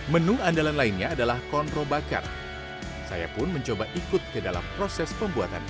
menu andalan lainnya adalah kontro bakar saya pun mencoba ikut ke dalam proses pembuatan